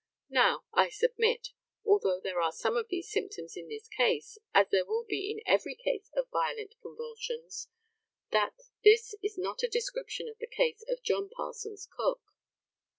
Now I submit, although there are some of these systems in this case, as there will be in every case of violent convulsions, that this is not a description of the case of John Parsons Cook.